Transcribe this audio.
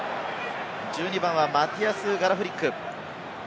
１２番はマティアス・ガラフリック。